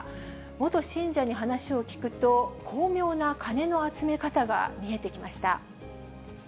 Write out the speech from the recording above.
元信者に話を聞くと、巧妙なカネの集め方が見えてきました。